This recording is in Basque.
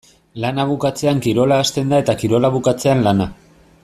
Lana bukatzean kirola hasten da eta kirola bukatzean lana.